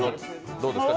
どうですか？